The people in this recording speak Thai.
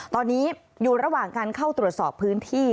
ตอนนี้อยู่ระหว่างการเข้าตรวจสอบพื้นที่